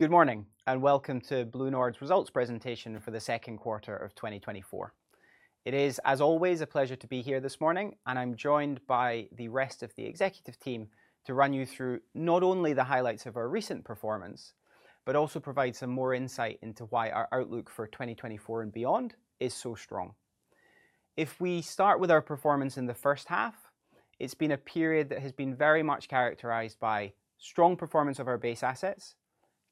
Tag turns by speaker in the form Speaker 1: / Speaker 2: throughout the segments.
Speaker 1: Good morning and welcome to BlueNord's results presentation for the second quarter of 2024. It is, as always, a pleasure to be here this morning, and I'm joined by the rest of the executive team to run you through not only the highlights of our recent performance, but also provide some more insight into why our outlook for 2024 and beyond is so strong. If we start with our performance in the first half, it's been a period that has been very much characterized by strong performance of our base assets,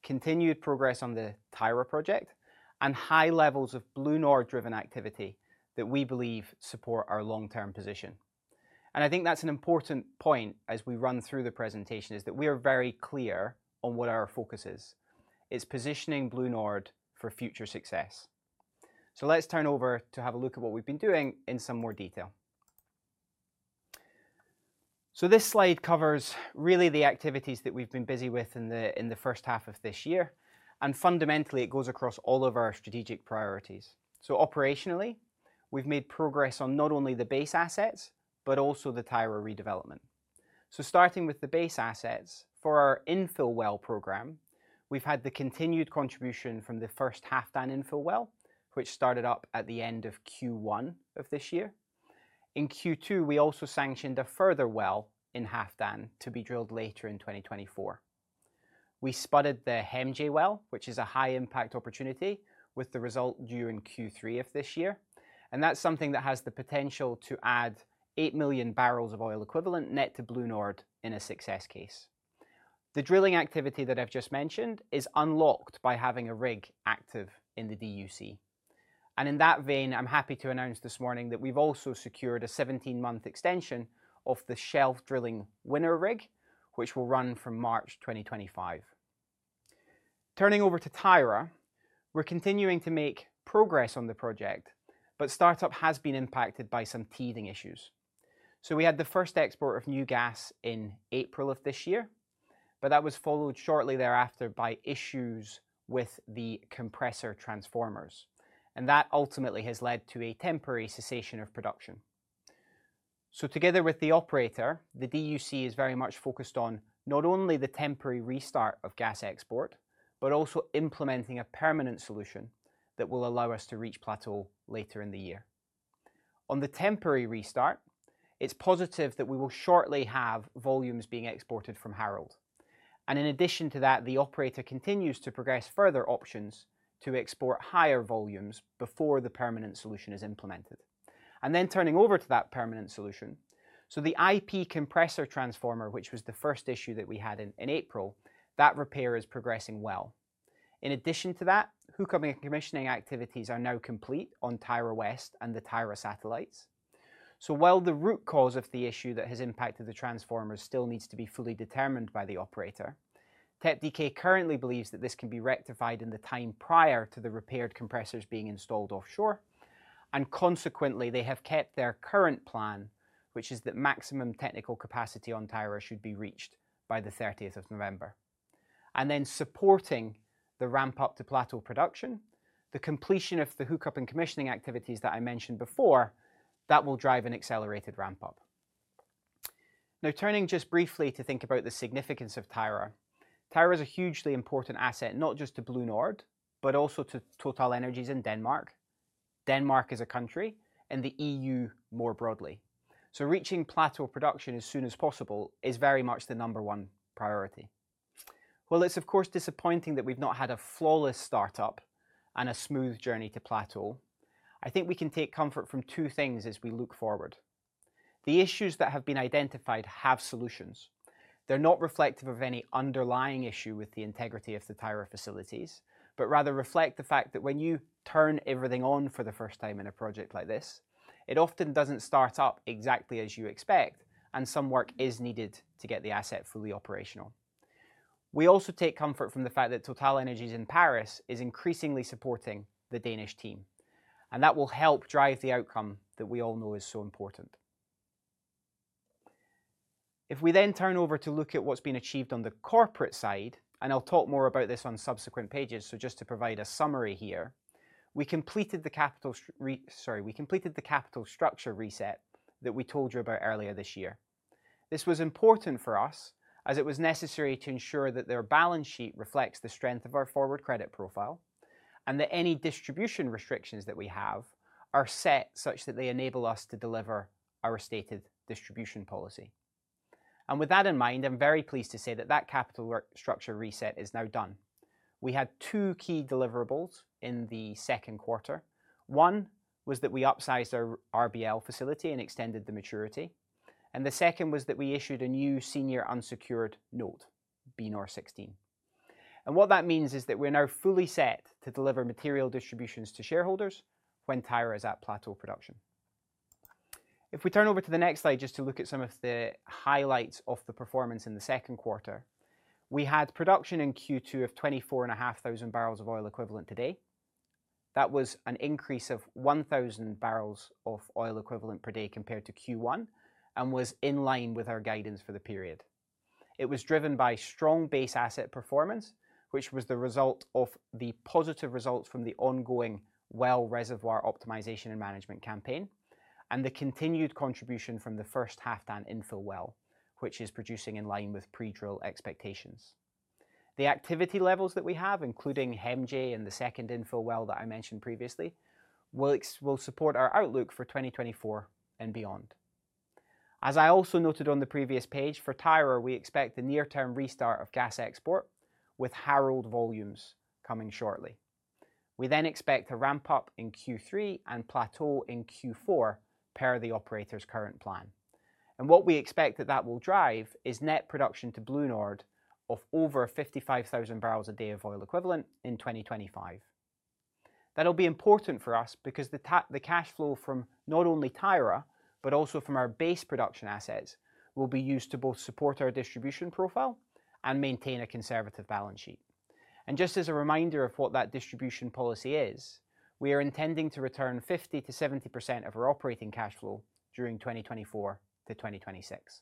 Speaker 1: continued progress on the Tyra project, and high levels of BlueNord-driven activity that we believe support our long-term position. I think that's an important point as we run through the presentation, is that we are very clear on what our focus is: it's positioning BlueNord for future success. Let's turn over to have a look at what we've been doing in some more detail. This slide covers really the activities that we've been busy with in the first half of this year, and fundamentally it goes across all of our strategic priorities. Operationally, we've made progress on not only the base assets, but also the Tyra redevelopment. Starting with the base assets, for our infill well program, we've had the continued contribution from the first Halfdan infill well, which started up at the end of Q1 of this year. In Q2, we also sanctioned a further well in Halfdan to be drilled later in 2024. We spudded the HEMJ well, which is a high-impact opportunity, with the result during Q3 of this year, and that's something that has the potential to add 8 million barrels of oil equivalent net to BlueNord in a success case. The drilling activity that I've just mentioned is unlocked by having a rig active in the DUC. And in that vein, I'm happy to announce this morning that we've also secured a 17-month extension of the Shelf Drilling Winner rig, which will run from March 2025. Turning over to Tyra, we're continuing to make progress on the project, but startup has been impacted by some teething issues. So we had the first export of new gas in April of this year, but that was followed shortly thereafter by issues with the compressor transformers, and that ultimately has led to a temporary cessation of production. Together with the operator, the DUC is very much focused on not only the temporary restart of gas export, but also implementing a permanent solution that will allow us to reach plateau later in the year. On the temporary restart, it's positive that we will shortly have volumes being exported from Harald, and in addition to that, the operator continues to progress further options to export higher volumes before the permanent solution is implemented. Turning over to that permanent solution, so the IP compressor transformer, which was the first issue that we had in April, that repair is progressing well. In addition to that, hookup and commissioning activities are now complete on Tyra West and the Tyra satellites. So while the root cause of the issue that has impacted the transformers still needs to be fully determined by the operator, TEPDK currently believes that this can be rectified in the time prior to the repaired compressors being installed offshore, and consequently they have kept their current plan, which is that maximum technical capacity on Tyra should be reached by the 30th of November. Then supporting the ramp-up to plateau production, the completion of the hookup and commissioning activities that I mentioned before, that will drive an accelerated ramp-up. Now turning just briefly to think about the significance of Tyra. Tyra is a hugely important asset, not just to BlueNord, but also to TotalEnergies in Denmark, Denmark as a country, and the EU more broadly. So reaching plateau production as soon as possible is very much the number one priority. While it's of course disappointing that we've not had a flawless startup and a smooth journey to plateau, I think we can take comfort from two things as we look forward. The issues that have been identified have solutions. They're not reflective of any underlying issue with the integrity of the Tyra facilities, but rather reflect the fact that when you turn everything on for the first time in a project like this, it often doesn't start up exactly as you expect, and some work is needed to get the asset fully operational. We also take comfort from the fact that TotalEnergies in Paris is increasingly supporting the Danish team, and that will help drive the outcome that we all know is so important. If we then turn over to look at what's been achieved on the corporate side, and I'll talk more about this on subsequent pages, so just to provide a summary here, we completed the capital structure reset that we told you about earlier this year. This was important for us as it was necessary to ensure that their balance sheet reflects the strength of our forward credit profile, and that any distribution restrictions that we have are set such that they enable us to deliver our stated distribution policy. With that in mind, I'm very pleased to say that that capital structure reset is now done. We had two key deliverables in the second quarter. One was that we upsized our RBL facility and extended the maturity, and the second was that we issued a new senior unsecured note, BNOR-16. What that means is that we're now fully set to deliver material distributions to shareholders when Tyra is at plateau production. If we turn over to the next slide just to look at some of the highlights of the performance in the second quarter, we had production in Q2 of 24,500 barrels of oil equivalent today. That was an increase of 1,000 barrels of oil equivalent per day compared to Q1, and was in line with our guidance for the period. It was driven by strong base asset performance, which was the result of the positive results from the ongoing well reservoir optimization and management campaign, and the continued contribution from the first Halfdan infill well, which is producing in line with pre-drill expectations. The activity levels that we have, including HEMJ and the second infill well that I mentioned previously, will support our outlook for 2024 and beyond. As I also noted on the previous page, for Tyra we expect the near-term restart of gas export with Harald volumes coming shortly. We then expect a ramp-up in Q3 and plateau in Q4 per the operator's current plan. And what we expect that that will drive is net production to BlueNord of over 55,000 barrels a day of oil equivalent in 2025. That'll be important for us because the cash flow from not only Tyra, but also from our base production assets will be used to both support our distribution profile and maintain a conservative balance sheet. Just as a reminder of what that distribution policy is, we are intending to return 50% to 70% of our operating cash flow during 2024 to 2026.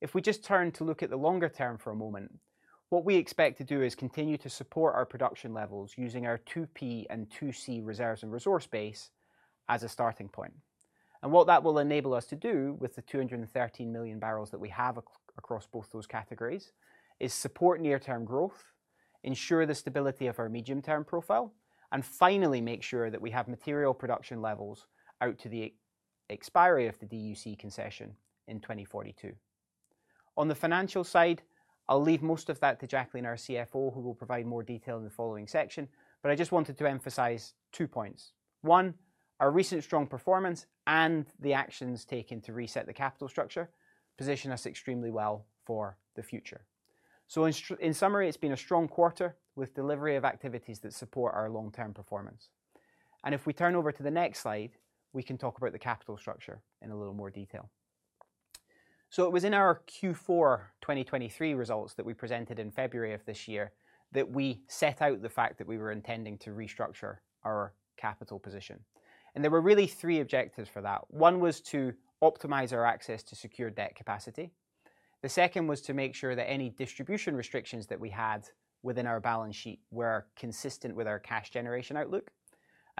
Speaker 1: If we just turn to look at the longer term for a moment, what we expect to do is continue to support our production levels using our 2P and 2C reserves and resource base as a starting point. And what that will enable us to do with the 213 million barrels that we have across both those categories is support near-term growth, ensure the stability of our medium-term profile, and finally make sure that we have material production levels out to the expiry of the DUC concession in 2042. On the financial side, I'll leave most of that to Jacqueline, our CFO, who will provide more detail in the following section, but I just wanted to emphasize two points. One, our recent strong performance and the actions taken to reset the capital structure position us extremely well for the future. So in summary, it's been a strong quarter with delivery of activities that support our long-term performance. If we turn over to the next slide, we can talk about the capital structure in a little more detail. It was in our Q4 2023 results that we presented in February of this year that we set out the fact that we were intending to restructure our capital position. There were really three objectives for that. One was to optimize our access to secure debt capacity. The second was to make sure that any distribution restrictions that we had within our balance sheet were consistent with our cash generation outlook.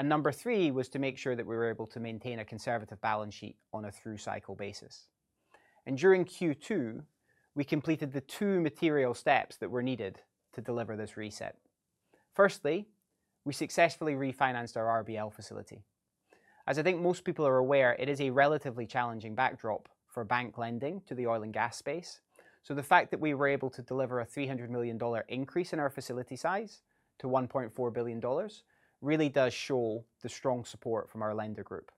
Speaker 1: Number three was to make sure that we were able to maintain a conservative balance sheet on a through cycle basis. During Q2, we completed the two material steps that were needed to deliver this reset. Firstly, we successfully refinanced our RBL facility. As I think most people are aware, it is a relatively challenging backdrop for bank lending to the oil and gas space. So the fact that we were able to deliver a $300 million increase in our facility size to $1.4 billion really does show the strong support from our lender group.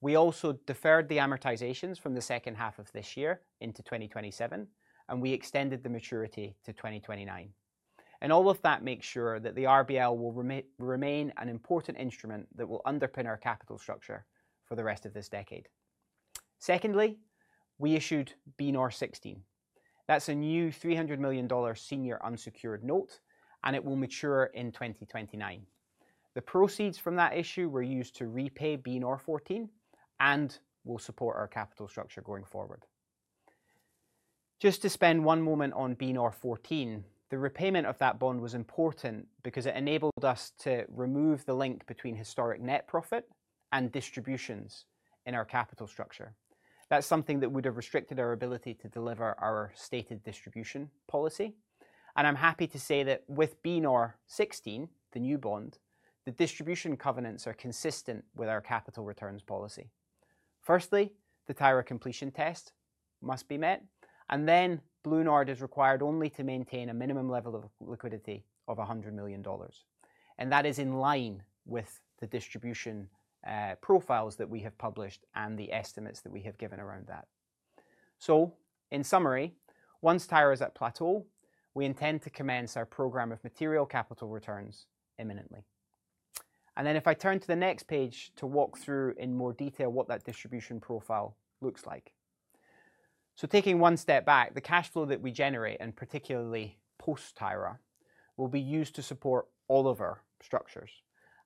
Speaker 1: We also deferred the amortizations from the second half of this year into 2027, and we extended the maturity to 2029. And all of that makes sure that the RBL will remain an important instrument that will underpin our capital structure for the rest of this decade. Secondly, we issued BNOR-16. That's a new $300 million senior unsecured note, and it will mature in 2029. The proceeds from that issue were used to repay BNOR-14 and will support our capital structure going forward. Just to spend one moment on BNOR-14, the repayment of that bond was important because it enabled us to remove the link between historic net profit and distributions in our capital structure. That's something that would have restricted our ability to deliver our stated distribution policy. I'm happy to say that with BNOR-16, the new bond, the distribution covenants are consistent with our capital returns policy. Firstly, the Tyra completion test must be met, and then BlueNord is required only to maintain a minimum level of liquidity of $100 million. That is in line with the distribution profiles that we have published and the estimates that we have given around that. So in summary, once Tyra is at plateau, we intend to commence our program of material capital returns imminently. Then if I turn to the next page to walk through in more detail what that distribution profile looks like. Taking one step back, the cash flow that we generate, and particularly post-Tyra, will be used to support all of our structures.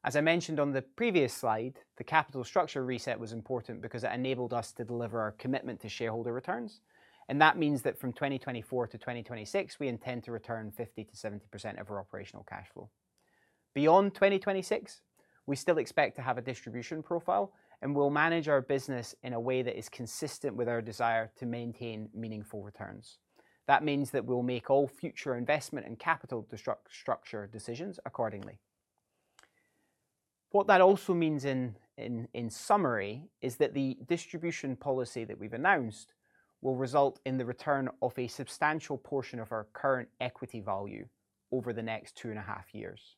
Speaker 1: As I mentioned on the previous slide, the capital structure reset was important because it enabled us to deliver our commitment to shareholder returns. That means that from 2024 to 2026, we intend to return 50% to 70% of our operating cash flow. Beyond 2026, we still expect to have a distribution profile, and we'll manage our business in a way that is consistent with our desire to maintain meaningful returns. That means that we'll make all future investment and capital structure decisions accordingly. What that also means in summary is that the distribution policy that we've announced will result in the return of a substantial portion of our current equity value over the next two and a half years.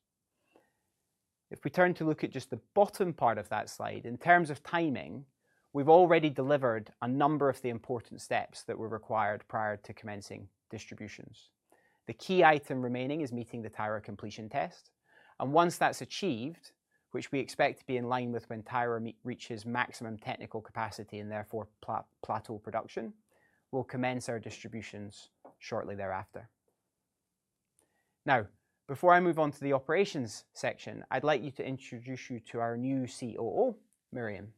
Speaker 1: If we turn to look at just the bottom part of that slide, in terms of timing, we've already delivered a number of the important steps that were required prior to commencing distributions. The key item remaining is meeting the Tyra completion test. Once that's achieved, which we expect to be in line with when Tyra reaches maximum technical capacity and therefore plateau production, we'll commence our distributions shortly thereafter. Now, before I move on to the operations section, I'd like you to introduce you to our new COO, Miriam.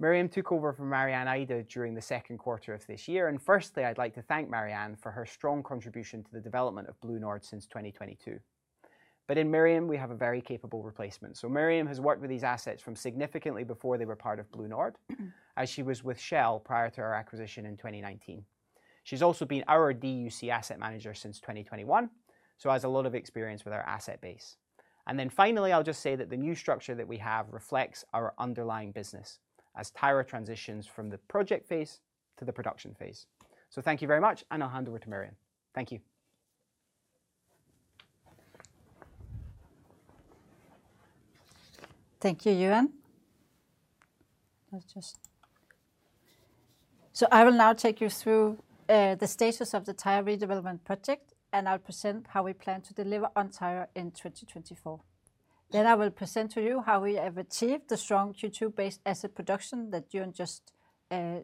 Speaker 1: Miriam took over from Marianne Eide during the second quarter of this year, and firstly, I'd like to thank Marianne for her strong contribution to the development of BlueNord since 2022. In Miriam, we have a very capable replacement. Miriam has worked with these assets from significantly before they were part of BlueNord, as she was with Shell prior to our acquisition in 2019. She's also been our DUC asset manager since 2021, so has a lot of experience with our asset base. And then finally, I'll just say that the new structure that we have reflects our underlying business as Tyra transitions from the project phase to the production phase. Thank you very much, and I'll hand over to Miriam. Thank you.
Speaker 2: Thank you, Euan. I will now take you through the status of the Tyra redevelopment project, and I'll present how we plan to deliver on Tyra in 2024. I will present to you how we have achieved the strong Q2-based asset production that Euan just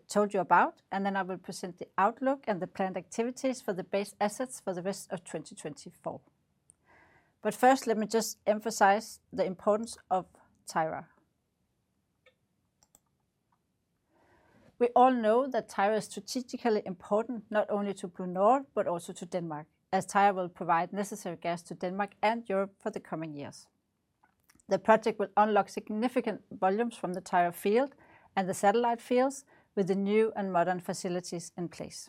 Speaker 2: told you about, and then I will present the outlook and the planned activities for the base assets for the rest of 2024. First, let me just emphasize the importance of Tyra. We all know that Tyra is strategically important not only to BlueNord, but also to Denmark, as Tyra will provide necessary gas to Denmark and Europe for the coming years. The project will unlock significant volumes from the Tyra field and the satellite fields with the new and modern facilities in place.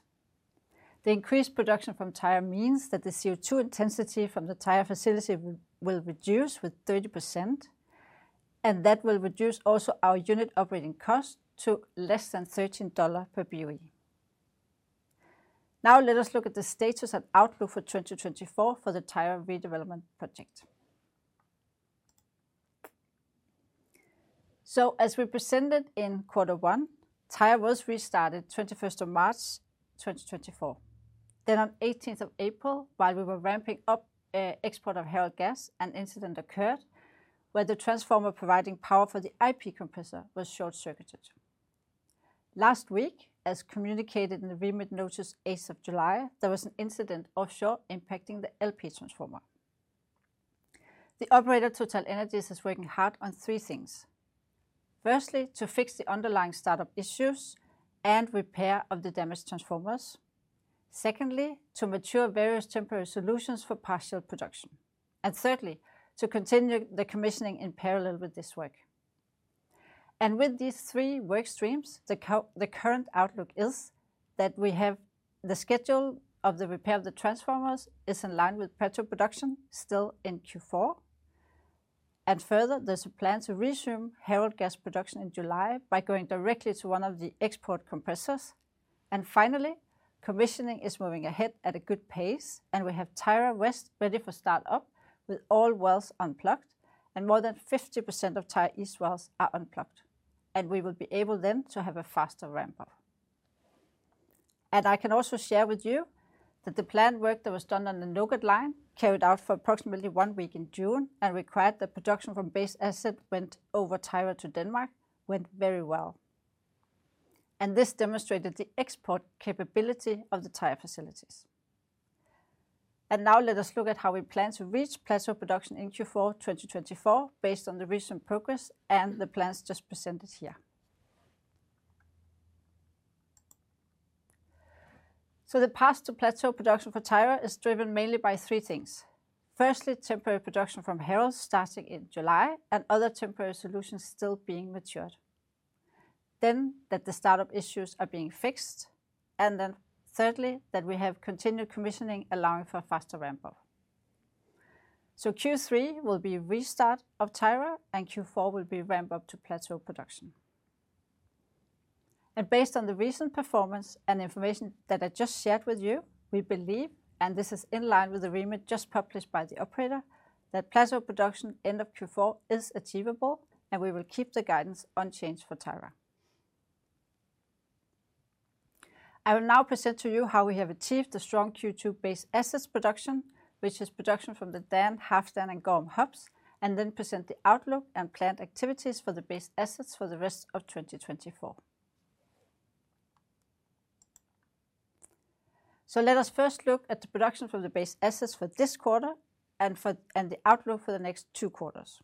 Speaker 2: The increased production from Tyra means that the CO2 intensity from the Tyra facility will reduce with 30%, and that will reduce also our unit operating cost to less than $13 per BOE. Now let us look at the status and outlook for 2024 for the Tyra redevelopment project. So as we presented in quarter one, Tyra was restarted on the 21st of March, 2024. Then on the 18th of April, while we were ramping up export of Harald gas, an incident occurred where the transformer providing power for the IP compressor was short-circuited. Last week, as communicated in the REMIT notice 8th of July, there was an incident offshore impacting the LP transformer. The operator, TotalEnergies, is working hard on three things. Firstly, to fix the underlying startup issues and repair of the damaged transformers. Secondly, to mature various temporary solutions for partial production. Thirdly, to continue the commissioning in parallel with this work. With these three work streams, the current outlook is that the schedule of the repair of the transformers is in line with plateau production still in Q4. Further, there's a plan to resume Harald gas production in July by going directly to one of the export compressors. Finally, commissioning is moving ahead at a good pace, and we have Tyra West ready for startup with all wells unplugged, and more than 50% of Tyra East wells are unplugged. We will be able then to have a faster ramp-up. I can also share with you that the planned work that was done on the NOGAT line carried out for approximately one week in June and required that production from base asset went over Tyra to Denmark went very well. This demonstrated the export capability of the Tyra facilities. Now let us look at how we plan to reach plateau production in Q4 2024 based on the recent progress and the plans just presented here. The path to plateau production for Tyra is driven mainly by three things. Firstly, temporary production from Harald starting in July and other temporary solutions still being matured. That the startup issues are being fixed. Thirdly, that we have continued commissioning allowing for a faster ramp-up. Q3 will be a restart of Tyra and Q4 will be ramp-up to plateau production. Based on the recent performance and information that I just shared with you, we believe, and this is in line with the report just published by the operator, that plateau production end of Q4 is achievable and we will keep the guidance unchanged for Tyra. I will now present to you how we have achieved the strong Q2 base assets production, which is production from the Dan, Halfdan and Gorm hubs, and then present the outlook and planned activities for the base assets for the rest of 2024. Let us first look at the production from the base assets for this quarter and the outlook for the next two quarters.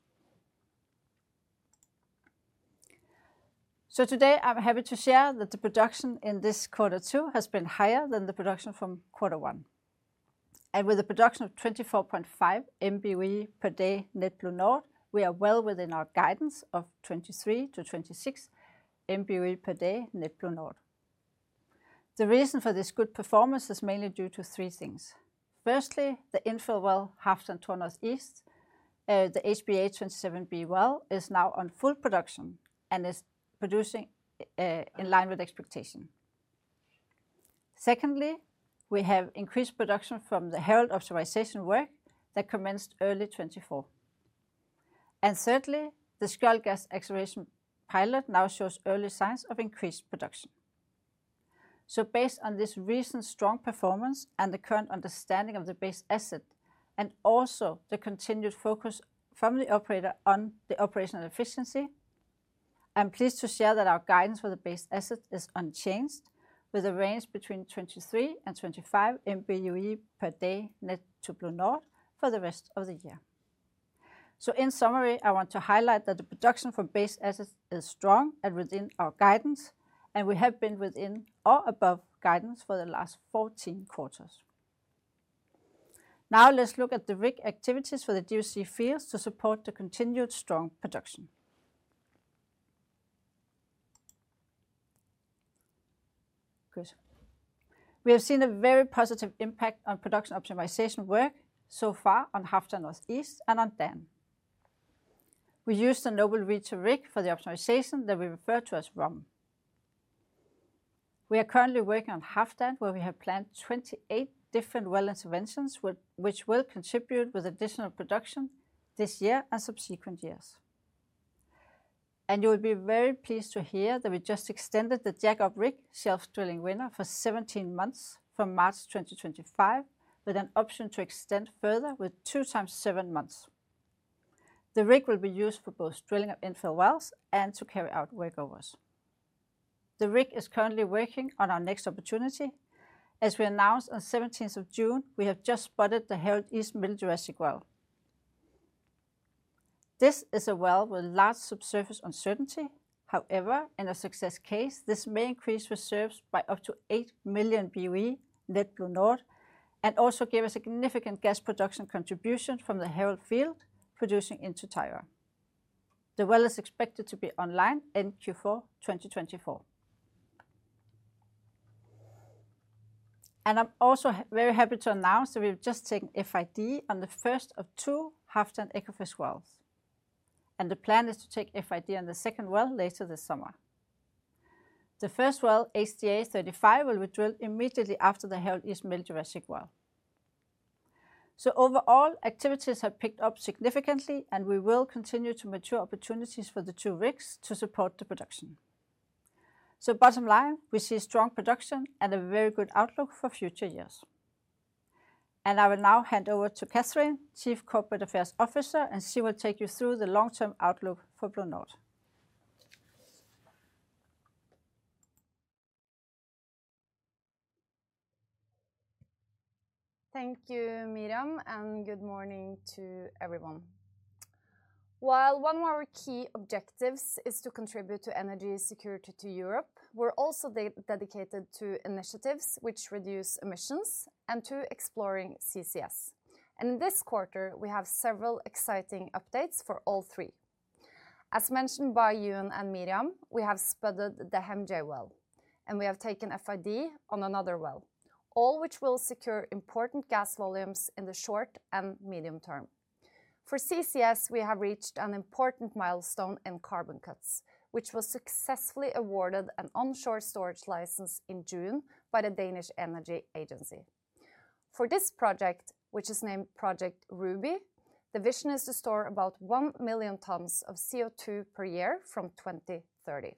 Speaker 2: Today I'm happy to share that the production in this quarter two has been higher than the production from quarter one. With a production of 24.5 MBOE per day net BlueNord, we are well within our guidance of 23 to 26 MBOE per day net BlueNord. The reason for this good performance is mainly due to three things. Firstly, the infill well Halfdan Northeast, the HBA-27B well is now on full production and is producing in line with expectation. Secondly, we have increased production from the Harald optimization work that commenced early 2024. And thirdly, the Skjold gas acceleration pilot now shows early signs of increased production. So based on this recent strong performance and the current understanding of the base asset and also the continued focus from the operator on the operational efficiency, I'm pleased to share that our guidance for the base asset is unchanged with a range between 23 and 25 MBOE per day net to BlueNord for the rest of the year. So in summary, I want to highlight that the production from base assets is strong and within our guidance, and we have been within or above guidance for the last 14 quarters. Now let's look at the rig activities for the DUC fields to support the continued strong production. We have seen a very positive impact on production optimization work so far on Halfdan Northeast and on Dan. We used the Noble Reacher rig for the optimization that we refer to as ROM. We are currently working on Halfdan, where we have planned 28 different well interventions, which will contribute with additional production this year and subsequent years. And you will be very pleased to hear that we just extended the jack-up rig, Shelf Drilling Winner, for 17 months from March 2025, with an option to extend further with 2 times 7 months. The rig will be used for both drilling of infill wells and to carry out workovers. The rig is currently working on our next opportunity. As we announced on the 17th of June, we have just spudded the Harald East Middle Jurassic well. This is a well with large subsurface uncertainty. However, in a success case, this may increase reserves by up to 8 million BOE net BlueNord and also give a significant gas production contribution from the Harald field producing into Tyra. The well is expected to be online in Q4 2024. And I'm also very happy to announce that we've just taken FID on the first of two Halfdan Ekofisk wells. The plan is to take FID on the second well later this summer. The first well, HDA-35, will be drilled immediately after the Harald East Middle Jurassic well. So overall, activities have picked up significantly, and we will continue to mature opportunities for the two rigs to support the production. So bottom line, we see strong production and a very good outlook for future years. And I will now hand over to Cathrine, Chief Corporate Affairs Officer, and she will take you through the long-term outlook for BlueNord.
Speaker 3: Thank you, Miriam, and good morning to everyone. While one of our key objectives is to contribute to energy security to Europe, we're also dedicated to initiatives which reduce emissions and to exploring CCS. In this quarter, we have several exciting updates for all three. As mentioned by Euan and Miriam, we have spotted the HEMJ well, and we have taken FID on another well, all which will secure important gas volumes in the short and medium term. For CCS, we have reached an important milestone in CarbonCuts, which was successfully awarded an onshore storage license in June by the Danish Energy Agency. For this project, which is named Project Ruby, the vision is to store about 1 million tons of CO2 per year from 2030.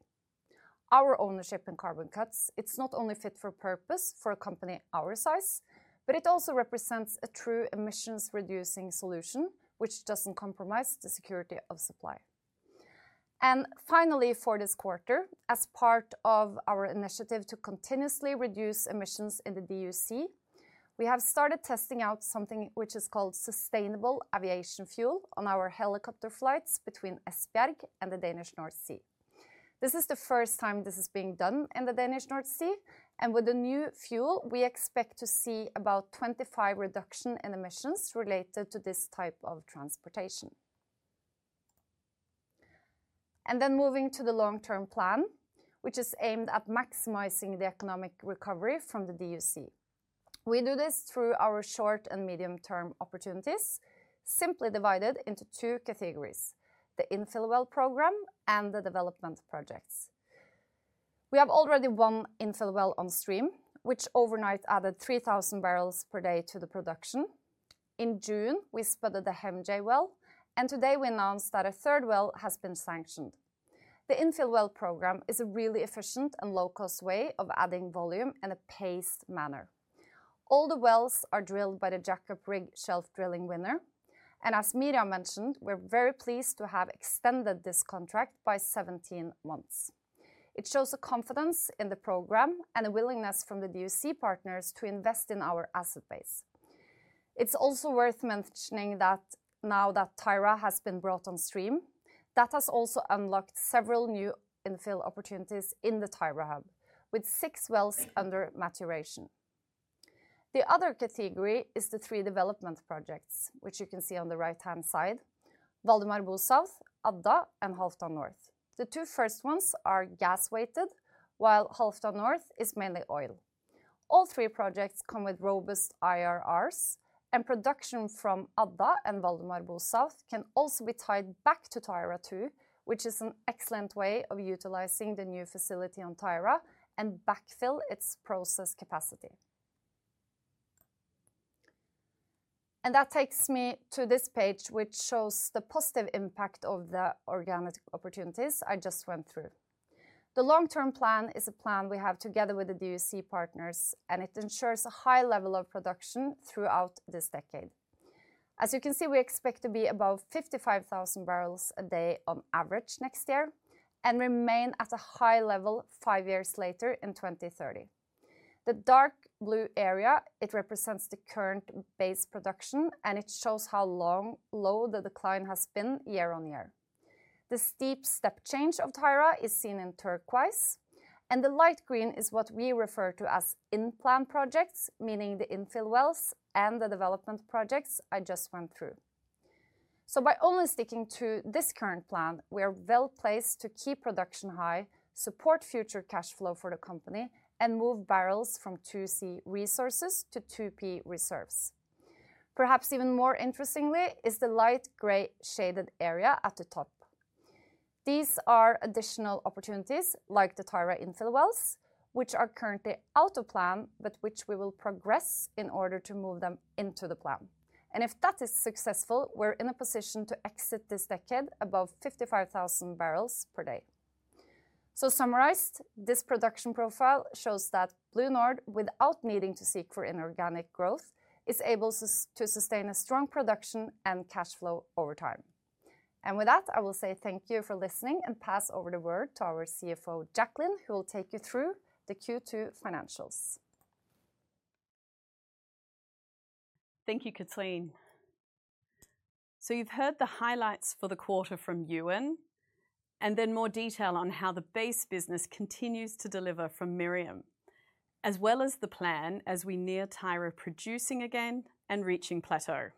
Speaker 3: Our ownership in CarbonCuts, it's not only fit for purpose for a company our size, but it also represents a true emissions-reducing solution, which doesn't compromise the security of supply. And finally, for this quarter, as part of our initiative to continuously reduce emissions in the DUC, we have started testing out something which is called sustainable aviation fuel on our helicopter flights between Esbjerg and the Danish North Sea. This is the first time this is being done in the Danish North Sea, and with the new fuel, we expect to see about 25% reductions in emissions related to this type of transportation. And then moving to the long-term plan, which is aimed at maximizing the economic recovery from the DUC. We do this through our short and medium-term opportunities, simply divided into two categories: the infill well program and the development projects. We have already one infill well on stream, which overnight added 3,000 barrels per day to the production. In June, we spotted the HEMJ well, and today we announced that a third well has been sanctioned. The infill well program is a really efficient and low-cost way of adding volume in a paced manner. All the wells are drilled by the Jacob rig, Shelf Drilling Winner, and as Miriam mentioned, we're very pleased to have extended this contract by 17 months. It shows a confidence in the program and a willingness from the DUC partners to invest in our asset base. It's also worth mentioning that now that Tyra has been brought on stream, that has also unlocked several new infill opportunities in the Tyra hub, with six wells under maturation. The other category is the three development projects, which you can see on the right-hand side: Valdemar Bo South, Adda, and Halfdan North. The two first ones are gas weighted, while Halfdan North is mainly oil. All three projects come with robust IRRs, and production from Adda and Valdemar Bo South can also be tied back to Tyra too, which is an excellent way of utilizing the new facility on Tyra and backfill its process capacity. And that takes me to this page, which shows the positive impact of the organic opportunities I just went through. The long-term plan is a plan we have together with the DUC partners, and it ensures a high level of production throughout this decade. As you can see, we expect to be above 55,000 barrels a day on average next year and remain at a high level five years later in 2030. The dark blue area, it represents the current base production, and it shows how low the decline has been year-on-year. The steep step change of Tyra is seen in turquoise, and the light green is what we refer to as in-plan projects, meaning the infill wells and the development projects I just went through. So by only sticking to this current plan, we are well placed to keep production high, support future cash flow for the company, and move barrels from 2C resources to 2P reserves. Perhaps even more interestingly is the light gray shaded area at the top. These are additional opportunities like the Tyra infill wells, which are currently out of plan, but which we will progress in order to move them into the plan. And if that is successful, we're in a position to exit this decade above 55,000 barrels per day. Summarized, this production profile shows that BlueNord, without needing to seek for inorganic growth, is able to sustain a strong production and cash flow over time. With that, I will say thank you for listening and pass over the word to our CFO, Jacqueline, who will take you through the Q2 financials.
Speaker 4: Thank you, Cathrine. So you've heard the highlights for the quarter from Euan and then more detail on how the base business continues to deliver from Miriam, as well as the plan as we near Tyra producing again and reaching plateau.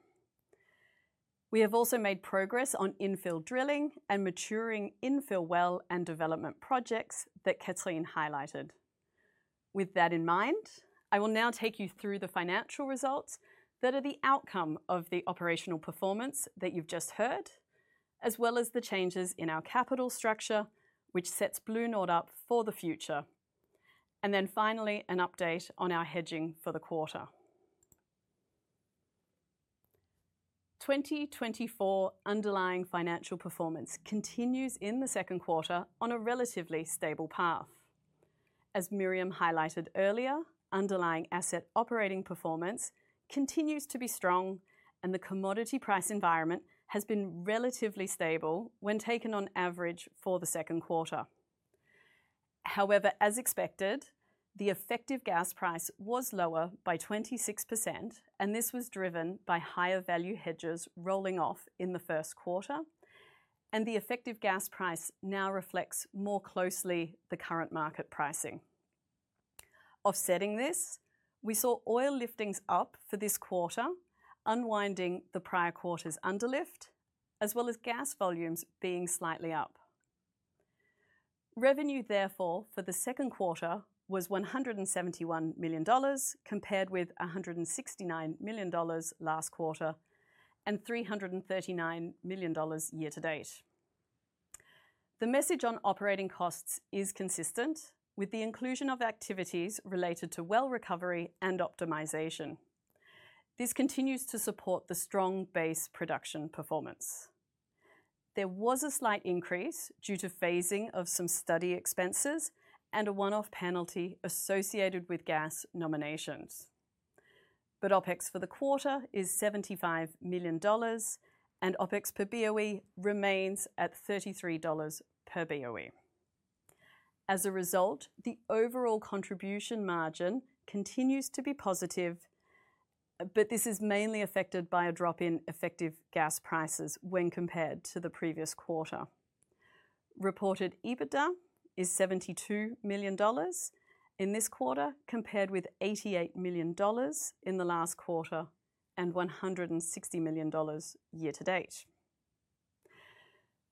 Speaker 4: We have also made progress on infill drilling and maturing infill well and development projects that Cathrine highlighted. With that in mind, I will now take you through the financial results that are the outcome of the operational performance that you've just heard, as well as the changes in our capital structure, which sets BlueNord up for the future. And then finally, an update on our hedging for the quarter. 2024 underlying financial performance continues in the second quarter on a relatively stable path. As Miriam highlighted earlier, underlying asset operating performance continues to be strong, and the commodity price environment has been relatively stable when taken on average for the second quarter. However, as expected, the effective gas price was lower by 26%, and this was driven by higher value hedges rolling off in the first quarter, and the effective gas price now reflects more closely the current market pricing. Offsetting this, we saw oil liftings up for this quarter, unwinding the prior quarter's underlift, as well as gas volumes being slightly up. Revenue, therefore, for the second quarter was $171 million compared with $169 million last quarter and $339 million year to date. The message on operating costs is consistent with the inclusion of activities related to well recovery and optimization. This continues to support the strong base production performance. There was a slight increase due to phasing of some study expenses and a one-off penalty associated with gas nominations. But OpEx for the quarter is $75 million, and OpEx per BOE remains at $33 per BOE. As a result, the overall contribution margin continues to be positive, but this is mainly affected by a drop in effective gas prices when compared to the previous quarter. Reported EBITDA is $72 million in this quarter compared with $88 million in the last quarter and $160 million year to date.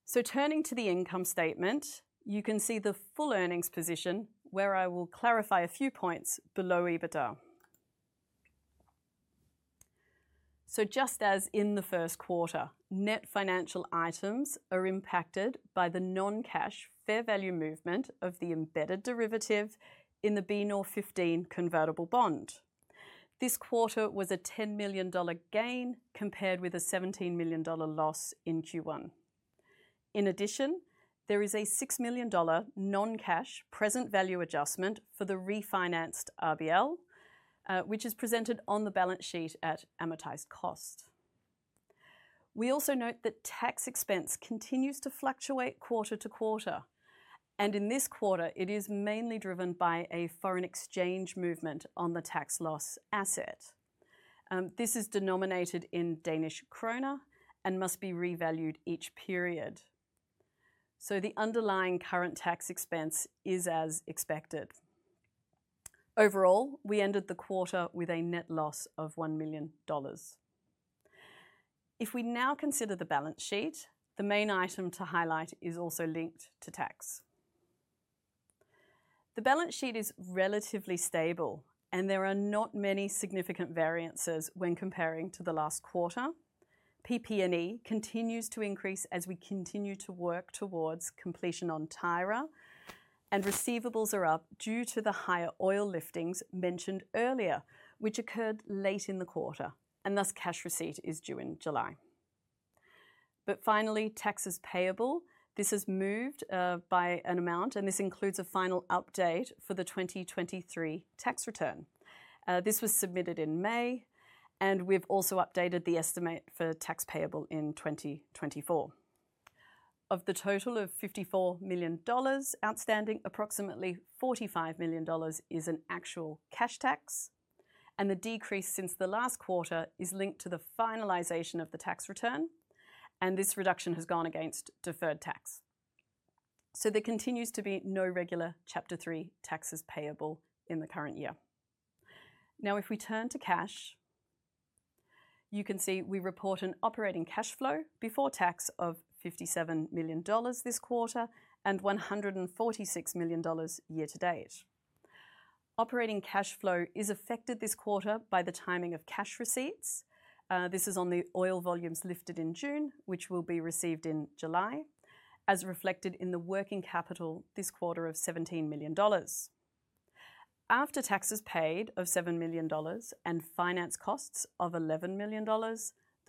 Speaker 4: So turning to the income statement, you can see the full earnings position where I will clarify a few points below EBITDA. So just as in the first quarter, net financial items are impacted by the non-cash fair value movement of the embedded derivative in the BNOR-15 convertible bond. This quarter was a $10 million gain compared with a $17 million loss in Q1. In addition, there is a $6 million non-cash present value adjustment for the refinanced RBL, which is presented on the balance sheet at amortized cost. We also note that tax expense continues to fluctuate quarter to quarter, and in this quarter, it is mainly driven by a foreign exchange movement on the tax loss asset. This is denominated in Danish kroner and must be revalued each period. So the underlying current tax expense is as expected. Overall, we ended the quarter with a net loss of $1 million. If we now consider the balance sheet, the main item to highlight is also linked to tax. The balance sheet is relatively stable, and there are not many significant variances when comparing to the last quarter. PP&E continues to increase as we continue to work towards completion on Tyra, and receivables are up due to the higher oil liftings mentioned earlier, which occurred late in the quarter, and thus cash receipt is due in July. But finally, tax is payable. This has moved by an amount, and this includes a final update for the 2023 tax return. This was submitted in May, and we've also updated the estimate for tax payable in 2024. Of the total of $54 million outstanding, approximately $45 million is in actual cash tax, and the decrease since the last quarter is linked to the finalization of the tax return, and this reduction has gone against deferred tax. So there continues to be no regular Chapter 3 taxes payable in the current year. Now, if we turn to cash, you can see we report an operating cash flow before tax of $57 million this quarter and $146 million year to date. Operating cash flow is affected this quarter by the timing of cash receipts. This is on the oil volumes lifted in June, which will be received in July, as reflected in the working capital this quarter of $17 million. After taxes paid of $7 million and finance costs of $11 million,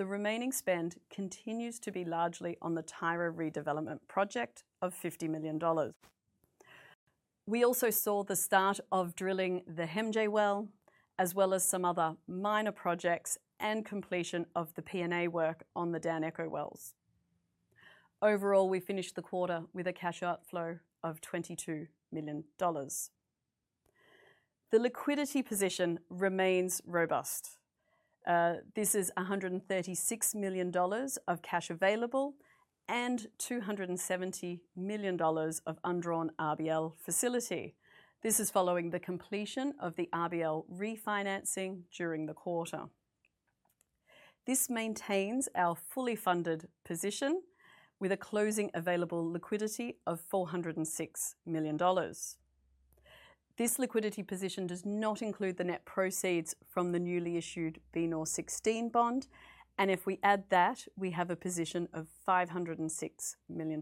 Speaker 4: the remaining spend continues to be largely on the Tyra redevelopment project of $50 million. We also saw the start of drilling the HEMJ well, as well as some other minor projects and completion of the P&A work on the Dan Echo wells. Overall, we finished the quarter with a cash outflow of $22 million. The liquidity position remains robust. This is $136 million of cash available and $270 million of undrawn RBL facility. This is following the completion of the RBL refinancing during the quarter. This maintains our fully funded position with a closing available liquidity of $406 million. This liquidity position does not include the net proceeds from the newly issued BNOR-16 bond, and if we add that, we have a position of $506 million.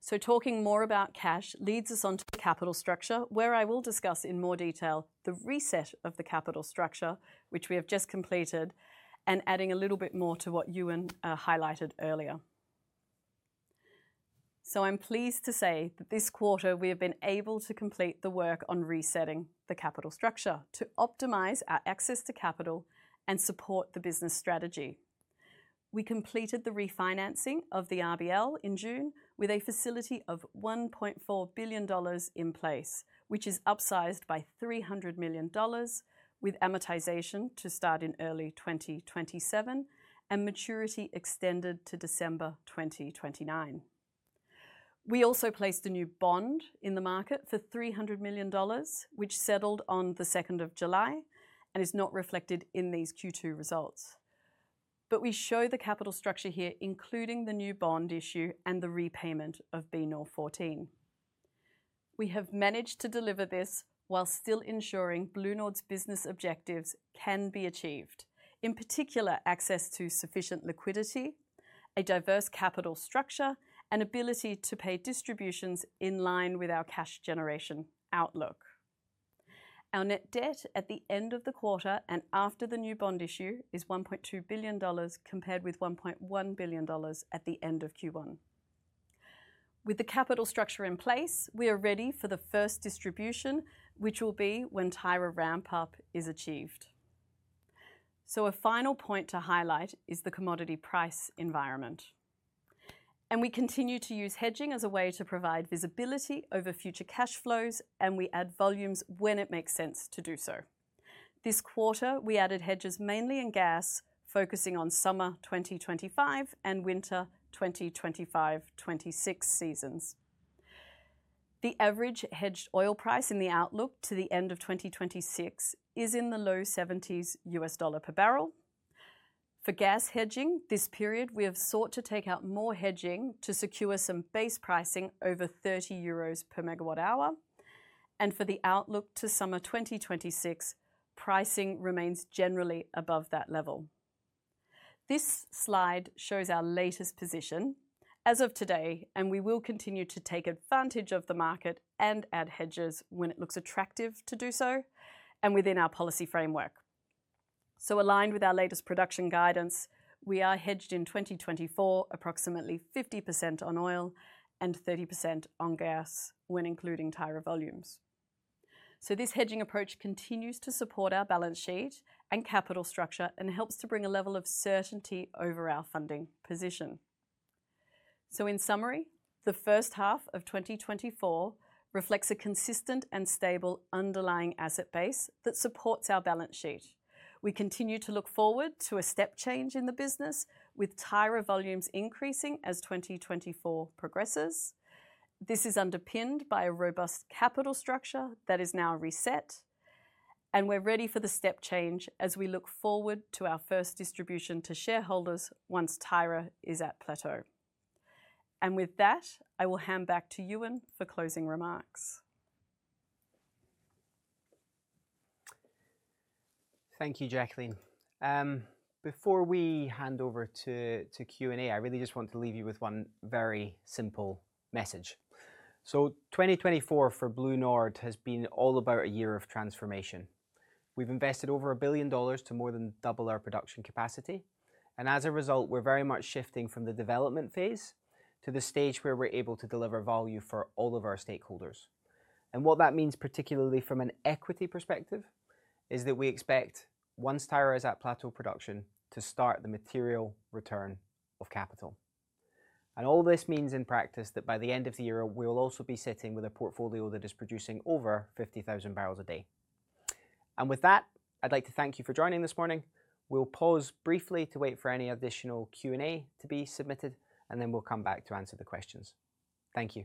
Speaker 4: So talking more about cash leads us on to the capital structure, where I will discuss in more detail the reset of the capital structure, which we have just completed, and adding a little bit more to what Euan highlighted earlier. So I'm pleased to say that this quarter we have been able to complete the work on resetting the capital structure to optimize our access to capital and support the business strategy. We completed the refinancing of the RBL in June with a facility of $1.4 billion in place, which is upsized by $300 million, with amortization to start in early 2027 and maturity extended to December 2029. We also placed a new bond in the market for $300 million, which settled on the 2nd of July and is not reflected in these Q2 results. But we show the capital structure here, including the new bond issue and the repayment of BNOR-14. We have managed to deliver this while still ensuring BlueNord's business objectives can be achieved, in particular access to sufficient liquidity, a diverse capital structure, and ability to pay distributions in line with our cash generation outlook. Our net debt at the end of the quarter and after the new bond issue is $1.2 billion compared with $1.1 billion at the end of Q1. With the capital structure in place, we are ready for the first distribution, which will be when Tyra ramp-up is achieved. A final point to highlight is the commodity price environment. We continue to use hedging as a way to provide visibility over future cash flows, and we add volumes when it makes sense to do so. This quarter, we added hedges mainly in gas, focusing on summer 2025 and winter 2025-26 seasons. The average hedged oil price in the outlook to the end of 2026 is in the low $70s per barrel. For gas hedging, this period we have sought to take out more hedging to secure some base pricing over €30 per megawatt-hour. For the outlook to summer 2026, pricing remains generally above that level. This slide shows our latest position as of today, and we will continue to take advantage of the market and add hedges when it looks attractive to do so and within our policy framework. So aligned with our latest production guidance, we are hedged in 2024, approximately 50% on oil and 30% on gas when including Tyra volumes. So this hedging approach continues to support our balance sheet and capital structure and helps to bring a level of certainty over our funding position. So in summary, the first half of 2024 reflects a consistent and stable underlying asset base that supports our balance sheet. We continue to look forward to a step change in the business with Tyra volumes increasing as 2024 progresses. This is underpinned by a robust capital structure that is now reset, and we're ready for the step change as we look forward to our first distribution to shareholders once Tyra is at plateau. With that, I will hand back to Euan for closing remarks.
Speaker 1: Thank you, Jacqueline. Before we hand over to Q&A, I really just want to leave you with one very simple message. So 2024 for BlueNord has been all about a year of transformation. We've invested over $1 billion to more than double our production capacity. And as a result, we're very much shifting from the development phase to the stage where we're able to deliver value for all of our stakeholders. And what that means, particularly from an equity perspective, is that we expect once Tyra is at plateau production to start the material return of capital. And all this means in practice that by the end of the year, we will also be sitting with a portfolio that is producing over 50,000 barrels a day. And with that, I'd like to thank you for joining this morning. We'll pause briefly to wait for any additional Q&A to be submitted, and then we'll come back to answer the questions. Thank you.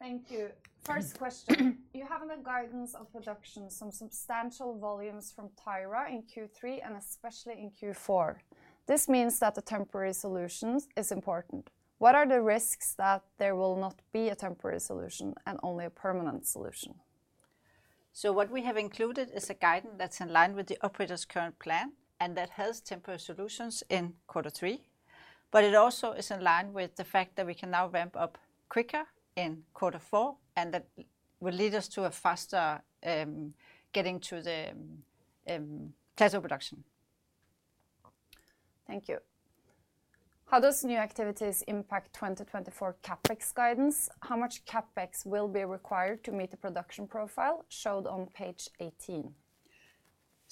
Speaker 5: Thank you. First question. You have in the guidance of production some substantial volumes from Tyra in Q3 and especially in Q4. This means that the temporary solution is important. What are the risks that there will not be a temporary solution and only a permanent solution?
Speaker 2: What we have included is a guidance that's in line with the operator's current plan and that has temporary solutions in quarter three. It also is in line with the fact that we can now ramp-up quicker in quarter four and that will lead us to a faster getting to the plateau production.
Speaker 5: Thank you. How does new activities impact 2024 CapEx guidance? How much CapEx will be required to meet the production profile showed on page 18?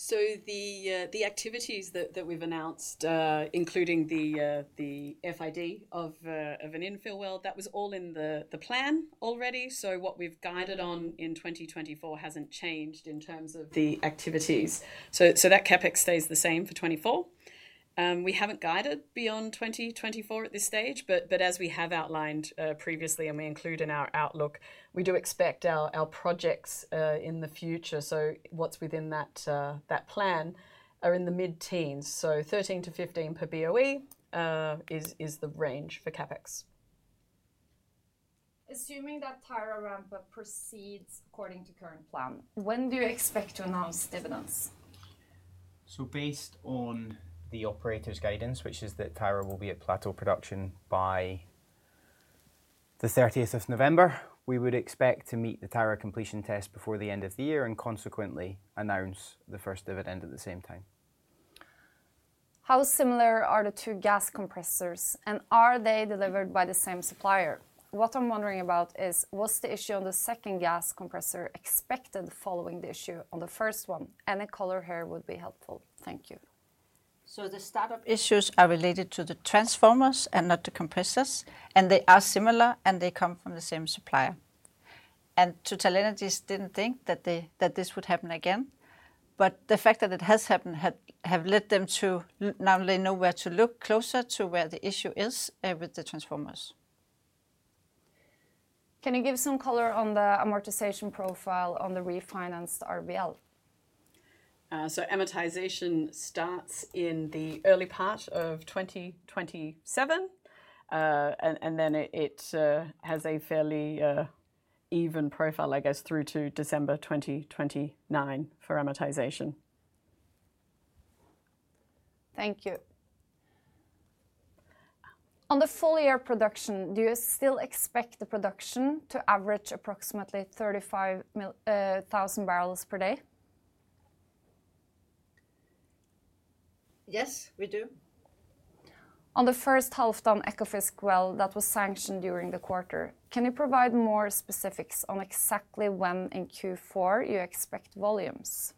Speaker 4: So the activities that we've announced, including the FID of an infill well, that was all in the plan already. So what we've guided on in 2024 hasn't changed in terms of the activities. So that CapEx stays the same for 2024. We haven't guided beyond 2024 at this stage, but as we have outlined previously and we include in our outlook, we do expect our projects in the future. So what's within that plan are in the mid-teens. So 13 to 15 per BOE is the range for CapEx.
Speaker 5: Assuming that Tyra ramp-up proceeds according to current plan, when do you expect to announce dividends?
Speaker 1: So based on the operator's guidance, which is that Tyra will be at plateau production by the 30th of November, we would expect to meet the Tyra completion test before the end of the year and consequently announce the first dividend at the same time.
Speaker 5: How similar are the two gas compressors, and are they delivered by the same supplier? What I'm wondering about is, was the issue on the second gas compressor expected following the issue on the first one? Any color here would be helpful. Thank you.
Speaker 2: The startup issues are related to the transformers and not the compressors, and they are similar and they come from the same supplier. TotalEnergies didn't think that this would happen again, but the fact that it has happened has led them to now they know where to look closer to where the issue is with the transformers.
Speaker 5: Can you give some color on the amortization profile on the refinanced RBL?
Speaker 4: Amortization starts in the early part of 2027, and then it has a fairly even profile, I guess, through to December 2029 for amortization.
Speaker 5: Thank you. On the full year production, do you still expect the production to average approximately 35,000 barrels per day?
Speaker 2: Yes, we do.
Speaker 5: On the first Halfdan Ekofisk well, that was sanctioned during the quarter. Can you provide more specifics on exactly when in Q4 you expect volumes?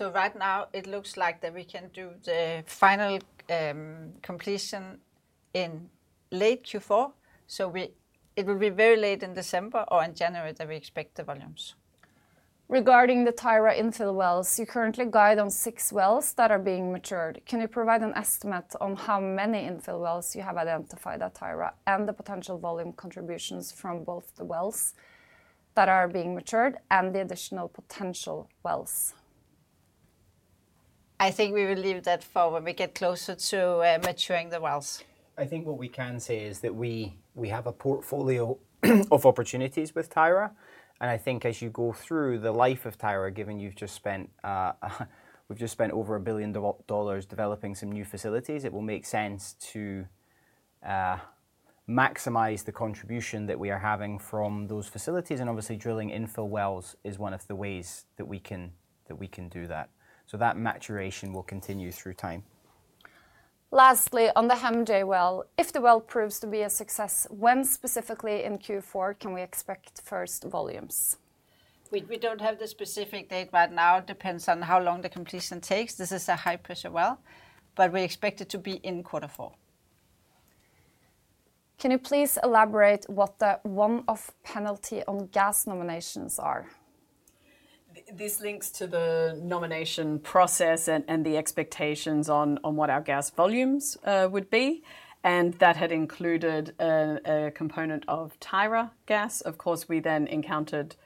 Speaker 2: Right now it looks like that we can do the final completion in late Q4. It will be very late in December or in January that we expect the volumes.
Speaker 5: Regarding the Tyra infill wells, you currently guide on 6 wells that are being matured. Can you provide an estimate on how many infill wells you have identified at Tyra and the potential volume contributions from both the wells that are being matured and the additional potential wells?
Speaker 2: I think we will leave that for when we get closer to maturing the wells.
Speaker 1: I think what we can say is that we have a portfolio of opportunities with Tyra. I think as you go through the life of Tyra, given you've just spent over $1 billion developing some new facilities, it will make sense to maximize the contribution that we are having from those facilities. Obviously, drilling infill wells is one of the ways that we can do that. So that maturation will continue through time.
Speaker 5: Lastly, on the HEMJ well, if the well proves to be a success, when specifically in Q4 can we expect first volumes?
Speaker 2: We don't have the specific date right now. It depends on how long the completion takes. This is a high pressure well, but we expect it to be in quarter four.
Speaker 5: Can you please elaborate what the one-off penalty on gas nominations are?
Speaker 4: This links to the nomination process and the expectations on what our gas volumes would be. And that had included a component of Tyra gas. Of course, we then encountered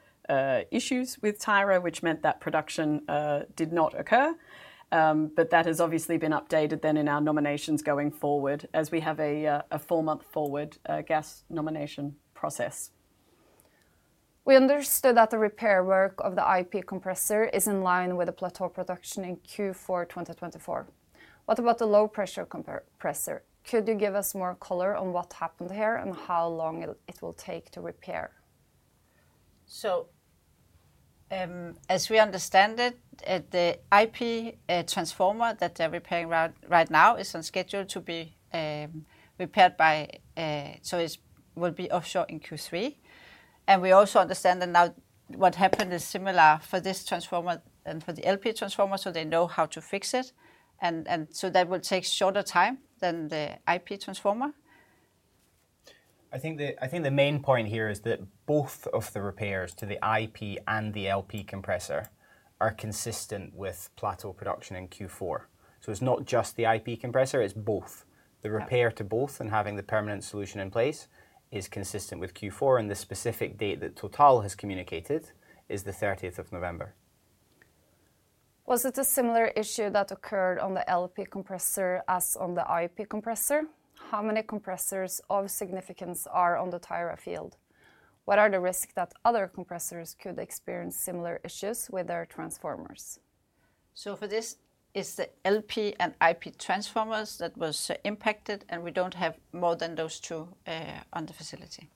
Speaker 4: issues with Tyra, which meant that production did not occur. But that has obviously been updated then in our nominations going forward as we have a four-month forward gas nomination process.
Speaker 5: We understood that the repair work of the IP compressor is in line with the plateau production in Q4 2024. What about the low pressure compressor? Could you give us more color on what happened here and how long it will take to repair?
Speaker 2: So as we understand it, the IP transformer that they're repairing right now is on schedule to be repaired by, so it will be offshore in Q3. And we also understand that now what happened is similar for this transformer and for the LP transformer, so they know how to fix it. And so that will take shorter time than the IP transformer.
Speaker 1: I think the main point here is that both of the repairs to the IP and the LP compressor are consistent with plateau production in Q4. So it's not just the IP compressor, it's both. The repair to both and having the permanent solution in place is consistent with Q4. And the specific date that Total has communicated is the 30th of November.
Speaker 5: Was it a similar issue that occurred on the LP compressor as on the IP compressor? How many compressors of significance are on the Tyra field? What are the risks that other compressors could experience similar issues with their transformers?
Speaker 2: For this, it's the LP and IP transformers that were impacted, and we don't have more than those two on the facility.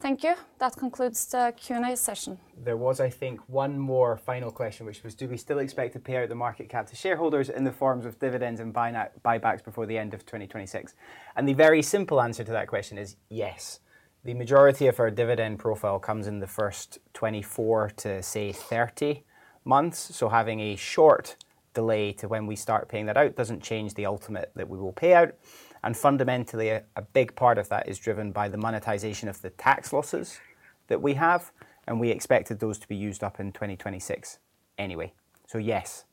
Speaker 5: Thank you. That concludes the Q&A session.
Speaker 1: There was, I think, one more final question, which was, do we still expect to pay out the market cap to shareholders in the forms of dividends and buybacks before the end of 2026? And the very simple answer to that question is yes. The majority of our dividend profile comes in the first 24 to, say, 30 months. So having a short delay to when we start paying that out doesn't change the ultimate that we will pay out. And fundamentally, a big part of that is driven by the monetization of the tax losses that we have. And we expected those to be used up in 2026 anyway. So yes.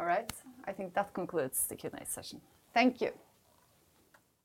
Speaker 2: All right. I think that concludes the Q&A session.
Speaker 5: Thank you.